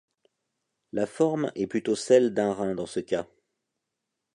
La forme est plutôt celle d'un rein dans ce cas.